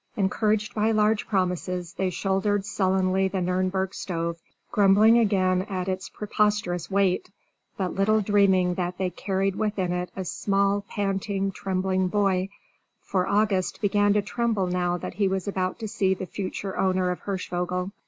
Encouraged by large promises, they shouldered sullenly the Nürnberg stove, grumbling again at its preposterous weight, but little dreaming that they carried within it a small, panting, trembling boy; for August began to tremble now that he was about to see the future owner of Hirschvogel.